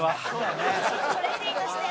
トレーニングして。